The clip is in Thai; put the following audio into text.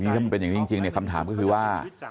อย่างนี้จริงคำถามก็คือว่า